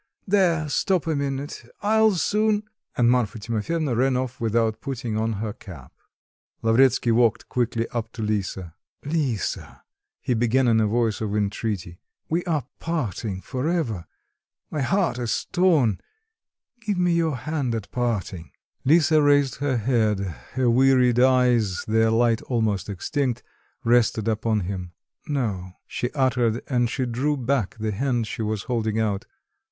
There, stop a minute, I'll soon " And Marfa Timofyevna ran off without putting on her cap. Lavretsky walked quickly up to Lisa. "Lisa," he began in a voice of entreaty, "we are parting for ever, my heart is torn, give me your hand at parting." Lisa raised her head, her wearied eyes, their light almost extinct, rested upon him.... "No," she uttered, and she drew back the hand she was holding out.